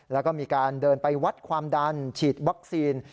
แล้วก็มีการเดินไปวัดความดันฉีดวัคซีน